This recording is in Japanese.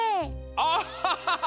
アハハハ！